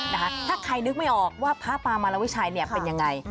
ถ้าใครนึกไม่ออกว่าพระปามารวิชัยเป็นยังไง